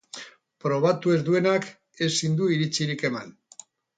Probatu ez duenak ezin du iritzirik eman.